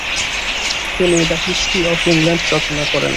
তিনি the history of England রচনা করেন।